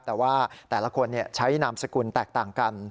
แต่ว่าแต่ละคนใช้นามสกุลแตกต่างกัน